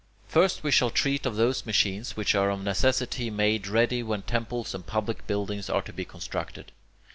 First we shall treat of those machines which are of necessity made ready when temples and public buildings are to be constructed.